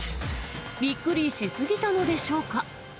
びっくりし過ぎたのでしょうか。